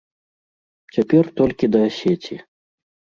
Цяпер толькі да асеці.